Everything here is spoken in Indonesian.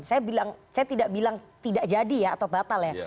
saya tidak bilang tidak jadi atau batal ya